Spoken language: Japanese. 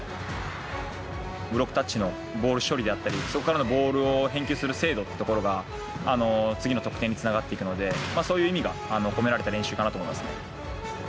ブロックタッチのボール処理であったり、そこからのボールを返球する精度ってところが、次の得点につながっていくので、そういう意味が込められた練習かなと思います。